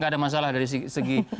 gak ada masalah dari segi